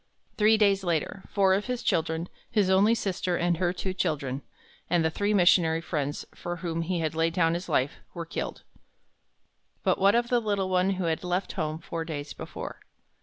Three days later, four of his children, his only sister and her two children, and the three missionary friends for whom he had laid down his life, were killed. But what of the little one who had left home four days before?